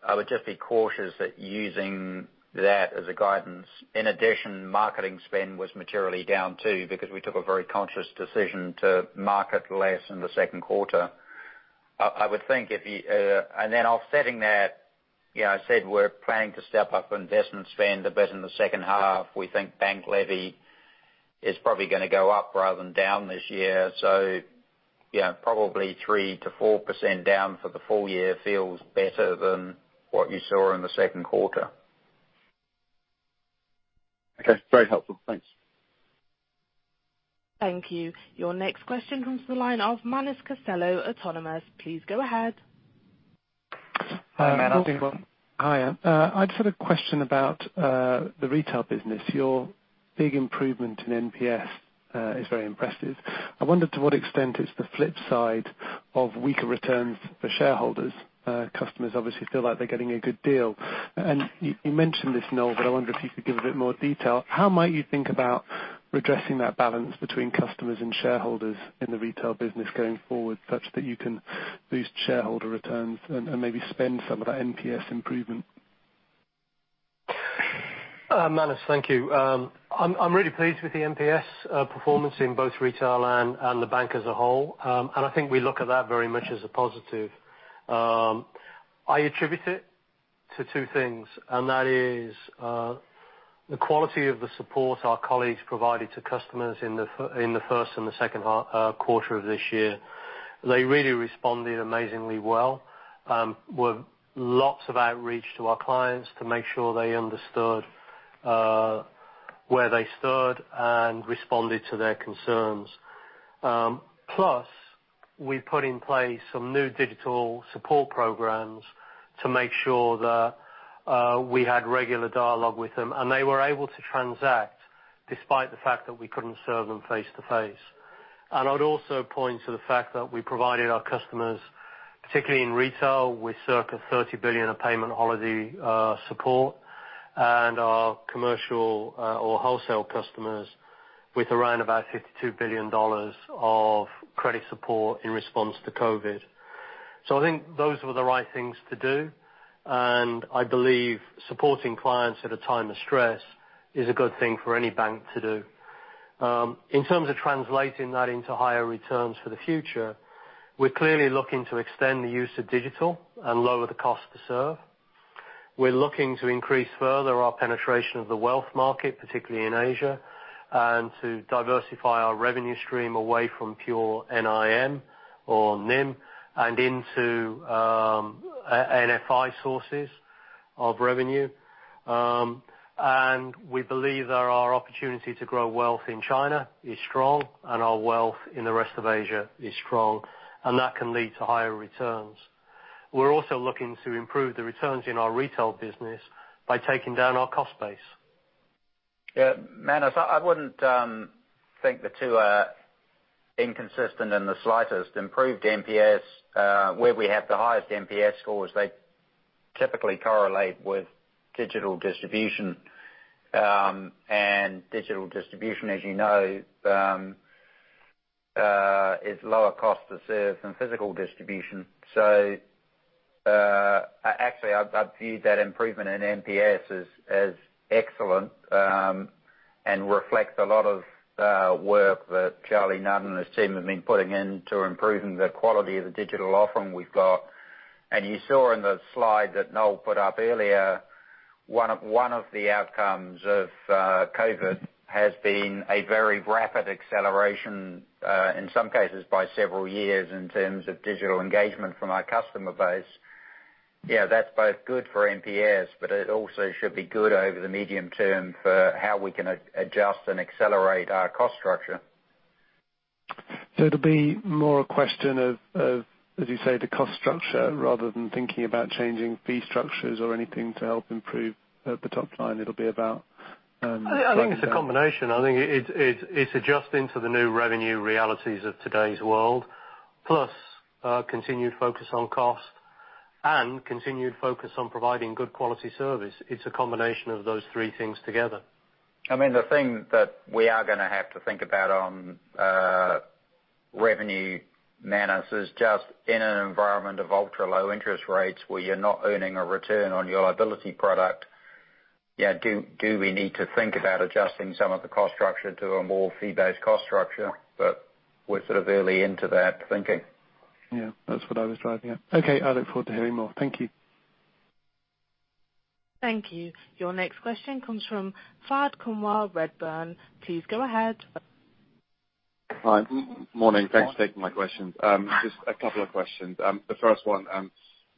I would just be cautious that using that as a guidance. In addition, marketing spend was materially down too, because we took a very conscious decision to market less in the second quarter. Offsetting that, I said we're planning to step up investment spend a bit in the second half. We think bank levy is probably going to go up rather than down this year, so probably 3%-4% down for the full year feels better than what you saw in the second quarter. Okay. Very helpful. Thanks. Thank you. Your next question comes from the line of Manus Costello, Autonomous. Please go ahead. Hi, Manus. Welcome. Hi. I just had a question about the retail business. Your big improvement in NPS is very impressive. I wonder to what extent it's the flip side of weaker returns for shareholders. Customers obviously feel like they're getting a good deal. You mentioned this, Noel, but I wonder if you could give a bit more detail. How might you think about redressing that balance between customers and shareholders in the retail business going forward such that you can boost shareholder returns and maybe spend some of that NPS improvement? Manus, thank you. I'm really pleased with the NPS performance in both retail and the bank as a whole. I think we look at that very much as a positive. I attribute it to two things, and that is the quality of the support our colleagues provided to customers in the first and the second quarter of this year. They really responded amazingly well, with lots of outreach to our clients to make sure they understood where they stood and responded to their concerns. Plus, we put in place some new digital support programs to make sure that we had regular dialogue with them. They were able to transact despite the fact that we couldn't serve them face-to-face. I'd also point to the fact that we provided our customers, particularly in Retail, with circa $30 billion of payment holiday support and our Commercial or wholesale customers with around about $52 billion of credit support in response to COVID-19. I think those were the right things to do, and I believe supporting clients at a time of stress is a good thing for any bank to do. In terms of translating that into higher returns for the future, we're clearly looking to extend the use of digital and lower the cost to serve. We're looking to increase further our penetration of the Wealth market, particularly in Asia, and to diversify our revenue stream away from pure NIM or NIM and into NFI sources of revenue. We believe there is opportunity to grow Wealth in China is strong and our Wealth in the rest of Asia is strong, and that can lead to higher returns. We're also looking to improve the returns in our retail business by taking down our cost base. Yeah. Manus, I wouldn't think the two are inconsistent in the slightest. Where we have the highest NPS scores, they typically correlate with digital distribution. Digital distribution, as you know, is lower cost to serve than physical distribution. Actually, I viewed that improvement in NPS as excellent and reflects a lot of work that Charlie Nunn and his team have been putting in to improving the quality of the digital offering we've got. You saw in the slide that Noel put up earlier, one of the outcomes of COVID has been a very rapid acceleration, in some cases by several years, in terms of digital engagement from our customer base. Yeah, that's both good for NPS, but it also should be good over the medium term for how we can adjust and accelerate our cost structure. It'll be more a question of, as you say, the cost structure rather than thinking about changing fee structures or anything to help improve the top line. It'll be about. I think it's a combination. I think it's adjusting to the new revenue realities of today's world, plus a continued focus on cost and continued focus on providing good quality service. It's a combination of those three things together. The thing that we are going to have to think about on revenue, Manus, is just in an environment of ultra low interest rates where you're not earning a return on your liability product. Do we need to think about adjusting some of the cost structure to a more fee-based cost structure? We're sort of early into that thinking. Yeah. That's what I was driving at. Okay. I look forward to hearing more. Thank you. Thank you. Your next question comes from Fahed Kunwar, Redburn. Please go ahead. Hi. Morning. Thanks for taking my questions. Just a couple of questions. The first one,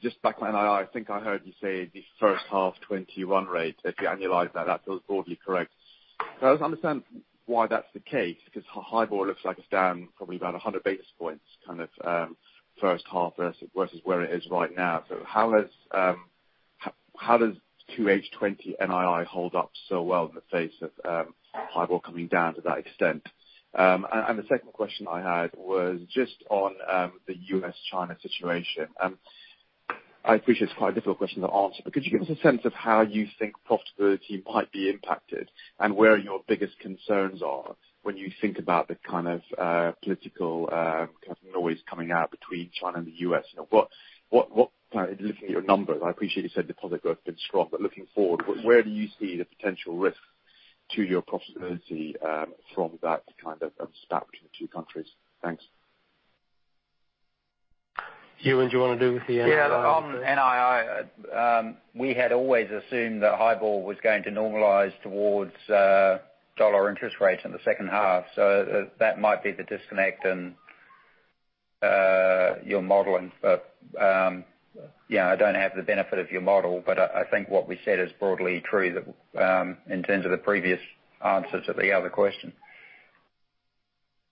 just back when NII, I think I heard you say the first half 2020 run rate, if you annualize that feels broadly correct. Can I just understand why that's the case? HIBOR looks like it's down probably about 100 basis points first half versus where it is right now. How does 2H 2020 NII hold up so well in the face of HIBOR coming down to that extent? The second question I had was just on the U.S.-China situation. I appreciate it's quite a difficult question to answer, could you give us a sense of how you think profitability might be impacted, and where your biggest concerns are when you think about the political noise coming out between China and the U.S.? Looking at your numbers, I appreciate you said deposit growth has been strong. Looking forward, where do you see the potential risk to your profitability from that kind of stoush between the two countries? Thanks. Ewen, do you want to do the NII? Yeah. On NII, we had always assumed that HIBOR was going to normalize towards dollar interest rates in the second half. That might be the disconnect in your modeling. I don't have the benefit of your model, but I think what we said is broadly true in terms of the previous answers to the other question.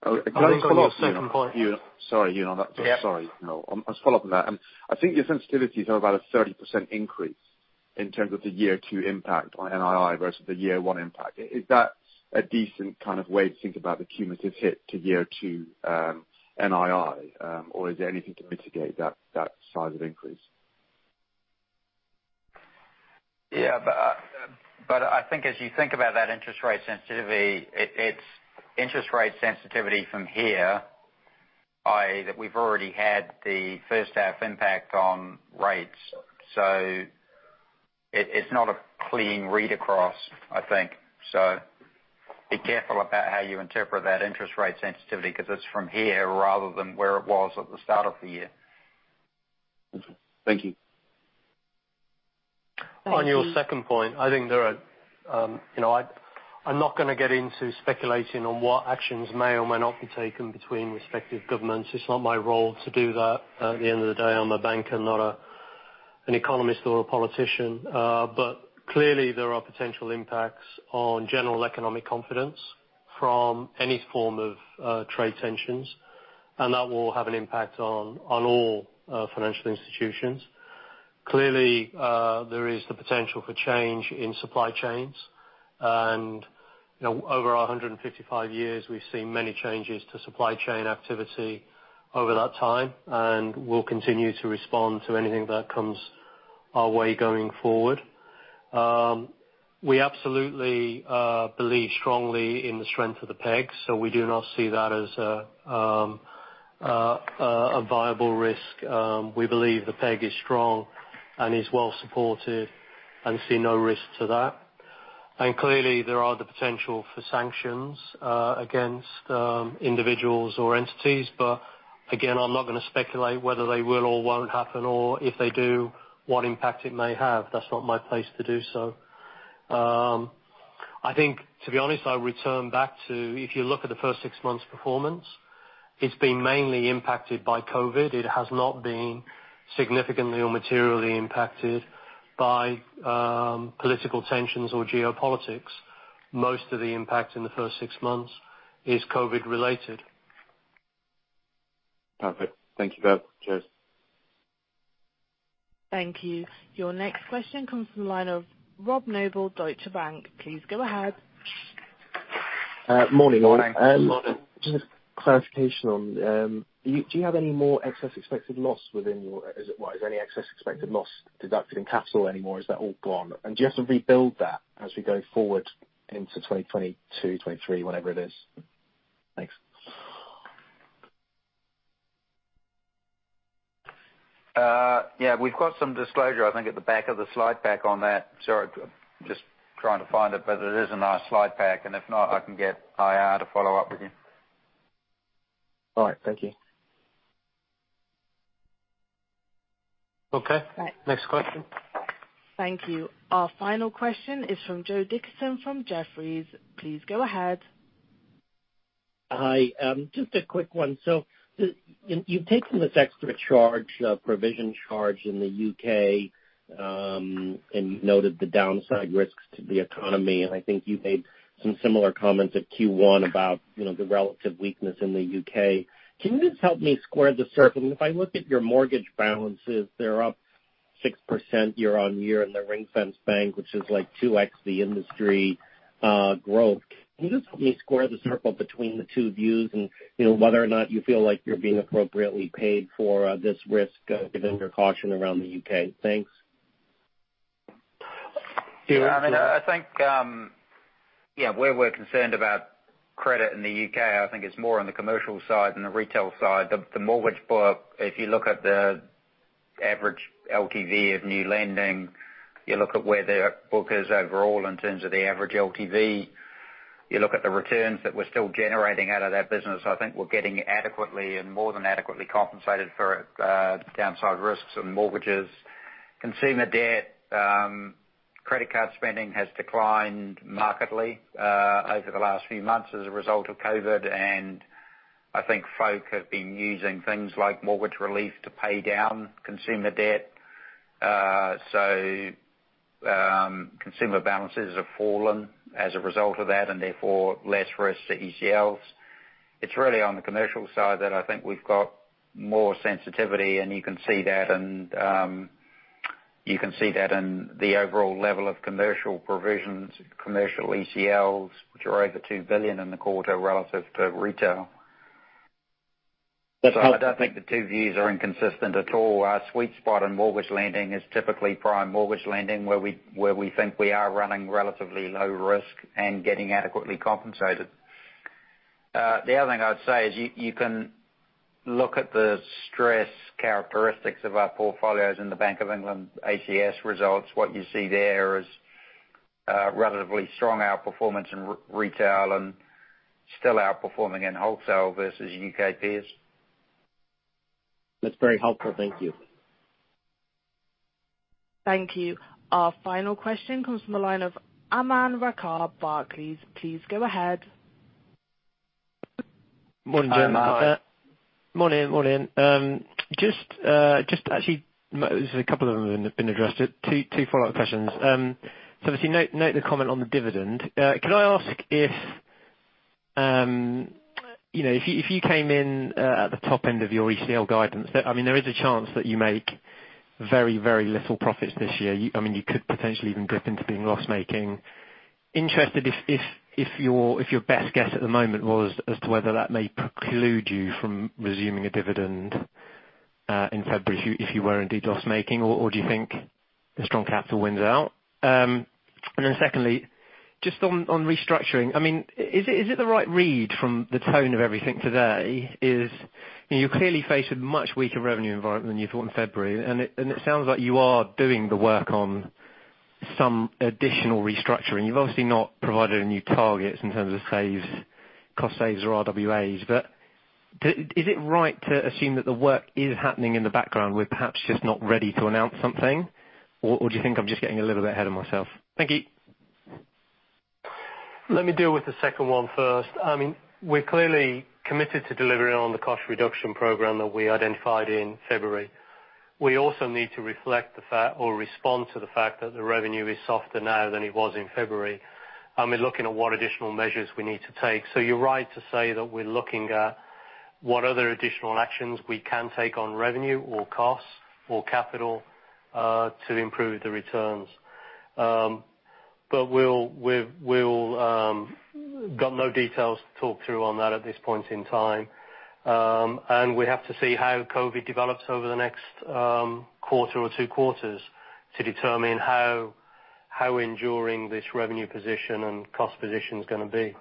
Can I just follow up, Ewen? On your second point. Sorry, Ewen. I'll just follow up on that. I think your sensitivities are about a 30% increase in terms of the year two impact on NII versus the year one impact. Is that a decent way to think about the cumulative hit to year two NII, or is there anything to mitigate that size of increase? Yeah. I think as you think about that interest rate sensitivity, it's interest rate sensitivity from here, i.e., that we've already had the first half impact on rates. It's not a clean read across, I think. Be careful about how you interpret that interest rate sensitivity, because it's from here rather than where it was at the start of the year. Thank you. On your second point, I'm not going to get into speculating on what actions may or may not be taken between respective governments. It's not my role to do that. At the end of the day, I'm a banker, not an economist or a politician. Clearly, there are potential impacts on general economic confidence from any form of trade tensions, and that will have an impact on all financial institutions. Clearly, there is the potential for change in supply chains. Over 155 years, we've seen many changes to supply chain activity over that time, and we'll continue to respond to anything that comes our way going forward. We absolutely believe strongly in the strength of the peg, so we do not see that as a viable risk. We believe the peg is strong and is well supported and see no risk to that. Clearly, there are the potential for sanctions against individuals or entities. Again, I'm not going to speculate whether they will or won't happen, or if they do, what impact it may have. That's not my place to do so. I think, to be honest, I would return back to, if you look at the first six months' performance, it's been mainly impacted by COVID. It has not been significantly or materially impacted by political tensions or geopolitics. Most of the impact in the first six months is COVID-related. Perfect. Thank you both. Cheers. Thank you. Your next question comes from the line of Robert Noble, Deutsche Bank. Please go ahead. Morning. Morning. Morning. Is there any excess expected loss deducted in capital anymore? Is that all gone? Do you have to rebuild that as we go forward into 2022, 2023, whenever it is? Thanks. Yeah, we've got some disclosure, I think, at the back of the slide pack on that. Sorry, just trying to find it, but it is in our slide pack. If not, I can get IR to follow up with you. All right. Thank you. Okay. Next question. Thank you. Our final question is from Joe Dickerson from Jefferies. Please go ahead. Hi. Just a quick one. You've taken this extra charge, provision charge in the U.K., and you've noted the downside risks to the economy, and I think you made some similar comments at Q1 about the relative weakness in the U.K. Can you just help me square the circle? If I look at your mortgage balances, they're up 6% year-on-year in the ring-fenced bank, which is like 2x the industry growth. Can you just help me square the circle between the two views and whether or not you feel like you're being appropriately paid for this risk given your caution around the U.K.? Thanks. Ewen? I think where we're concerned about credit in the U.K., I think it's more on the Commercial Banking side than the retail side. The mortgage book, if you look at the average LTV of new lending, you look at where the book is overall in terms of the average LTV, you look at the returns that we're still generating out of that business, I think we're getting adequately and more than adequately compensated for downside risks in mortgages. Consumer debt. Credit card spending has declined markedly over the last few months as a result of COVID, and I think folk have been using things like mortgage relief to pay down consumer debt. Consumer balances have fallen as a result of that, and therefore less risk to ECLs. It's really on the commercial side that I think we've got more sensitivity, and you can see that in the overall level of commercial provisions, commercial ECLs, which are over 2 billion in the quarter relative to retail. That's helpful. I don't think the two views are inconsistent at all. Our sweet spot on mortgage lending is typically prime mortgage lending, where we think we are running relatively low risk and getting adequately compensated. The other thing I'd say is you can look at the stress characteristics of our portfolios in the Bank of England ACS results. What you see there is relatively strong outperformance in retail and still outperforming in wholesale versus U.K. peers. That's very helpful. Thank you. Thank you. Our final question comes from the line of Aman Rakkar, Barclays. Please go ahead. Morning, gentlemen. Hi, Aman. Actually, there's a couple of them that have been addressed. Two follow-up questions. Obviously, note the comment on the dividend. Can I ask if you came in at the top end of your ECL guidance, there is a chance that you make very little profits this year. You could potentially even dip into being loss-making. Interested if your best guess at the moment was as to whether that may preclude you from resuming a dividend, in February, if you were indeed loss-making, or do you think the strong capital wins out? Secondly, just on restructuring. Is it the right read from the tone of everything today is, you clearly face a much weaker revenue environment than you thought in February, and it sounds like you are doing the work on some additional restructuring. You've obviously not provided any targets in terms of saves, cost saves or RWAs. Is it right to assume that the work is happening in the background? We're perhaps just not ready to announce something, or do you think I'm just getting a little bit ahead of myself? Thank you. Let me deal with the second one first. We're clearly committed to delivering on the cost reduction program that we identified in February. We also need to reflect the fact or respond to the fact that the revenue is softer now than it was in February. We're looking at what additional measures we need to take. You're right to say that we're looking at what other additional actions we can take on revenue or costs or capital, to improve the returns. We've got no details to talk through on that at this point in time. We have to see how COVID develops over the next quarter or two quarters to determine how enduring this revenue position and cost position is going to be.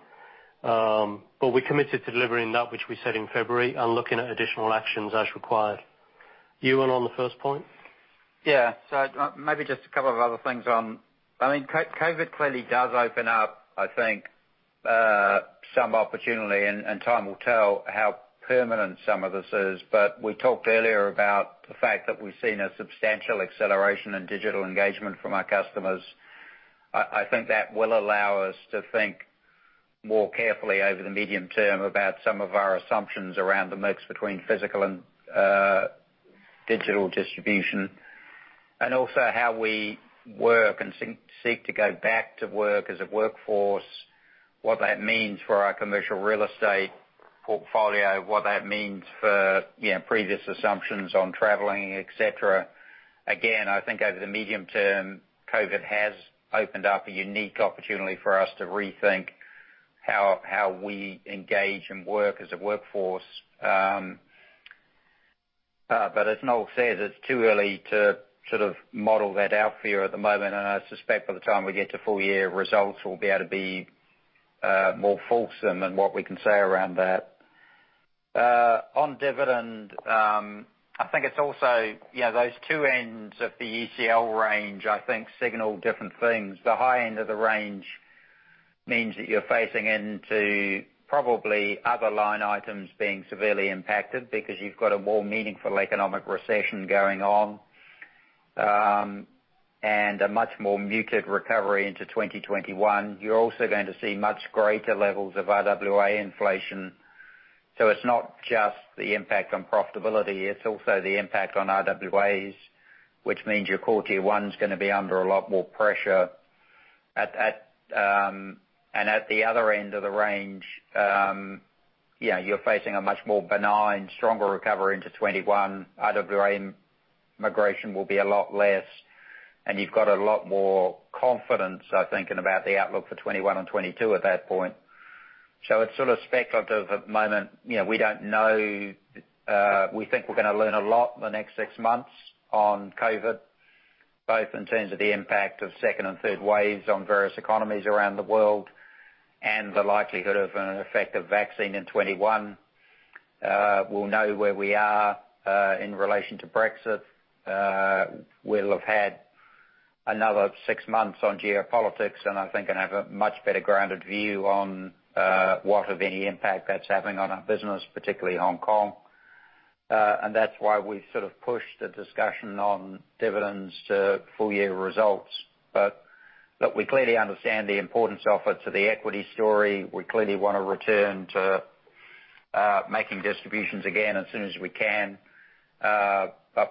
We're committed to delivering that which we said in February and looking at additional actions as required. Ewen, on the first point? Yeah. Maybe just a couple of other things on. COVID clearly does open up, I think, some opportunity, and time will tell how permanent some of this is. We talked earlier about the fact that we've seen a substantial acceleration in digital engagement from our customers. I think that will allow us to think more carefully over the medium term about some of our assumptions around the mix between physical and digital distribution. Also how we work and seek to go back to work as a workforce, what that means for our commercial real estate portfolio, what that means for previous assumptions on traveling, et cetera. Again, I think over the medium term, COVID has opened up a unique opportunity for us to rethink how we engage and work as a workforce. As Noel says, it's too early to model that out for you at the moment, and I suspect by the time we get to full year results, we'll be able to be more fulsome than what we can say around that. On dividend, I think it's also those two ends of the ECL range signal different things. The high end of the range means that you're facing into probably other line items being severely impacted because you've got a more meaningful economic recession going on, and a much more muted recovery into 2021. You're also going to see much greater levels of RWA inflation. It's not just the impact on profitability, it's also the impact on RWAs, which means your Core Tier 1 is going to be under a lot more pressure. At the other end of the range, you're facing a much more benign, stronger recovery into 2021. RWA migration will be a lot less, and you've got a lot more confidence, I think, in about the outlook for 2021 and 2022 at that point. It's sort of speculative at the moment. We don't know. We think we're going to learn a lot in the next six months on COVID-19, both in terms of the impact of second and third waves on various economies around the world and the likelihood of an effective vaccine in 2021. We'll know where we are, in relation to Brexit. We'll have had another six months on geopolitics, and I think going to have a much better grounded view on what, if any impact that's having on our business, particularly Hong Kong. That's why we've pushed the discussion on dividends to full year results. We clearly understand the importance of it to the equity story. We clearly want to return to making distributions again as soon as we can.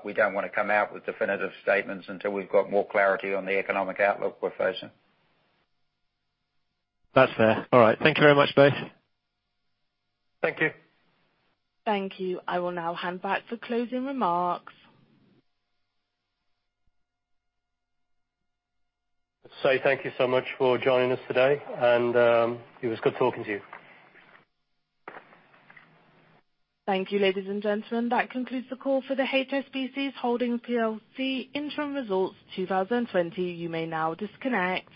We don't want to come out with definitive statements until we've got more clarity on the economic outlook we're facing. That's fair. All right. Thank you very much, both. Thank you. Thank you. I will now hand back for closing remarks. Thank you so much for joining us today, and it was good talking to you. Thank you, ladies and gentlemen. That concludes the call for the HSBC Holdings PLC interim results 2020. You may now disconnect.